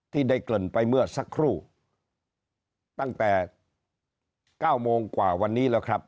ที่ได้เกริ่นไปเมื่อสักครู่ตั้งแต่เก้าโมงกว่าวันนี้แล้วครับ